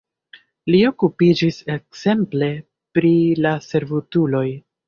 Li okupiĝis ekzemple pri la servutuloj.